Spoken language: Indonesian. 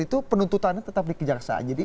itu penuntutannya tetap di kejaksaan